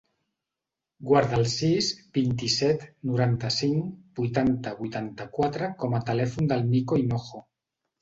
Guarda el sis, vint-i-set, noranta-cinc, vuitanta, vuitanta-quatre com a telèfon del Niko Hinojo.